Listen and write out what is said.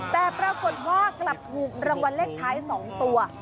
แต่ปรากฏว่ากลับถูกรางวัลเลขท้าย๒ตัว